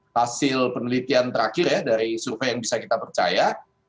hasil penelitian terakhir ya dari survei yang bisa kita percaya